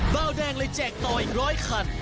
เบาแดงเลยแจกต่ออีกร้อยคัน